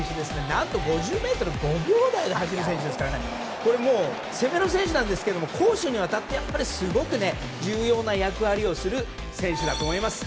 何と５０ｍ５秒台で走る選手ですから攻めの選手なんですが攻守にわたってすごく重要な役割をする選手だと思います。